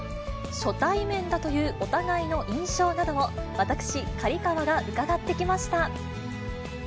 初対面だというお互いの印象などを、私、刈川が伺ってきました。